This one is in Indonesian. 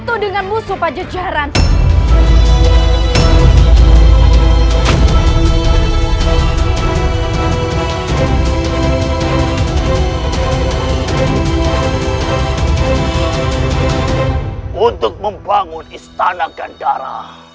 untuk membangun istana gandara